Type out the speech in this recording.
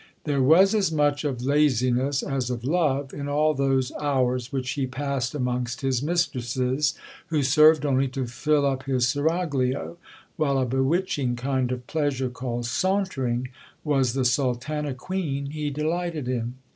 "There was as much of laziness as of love in all those hours which he passed amongst his mistresses, who served only to fill up his seraglio, while a bewitching kind of pleasure, called SAUNTERING, was the sultana queen he delighted in.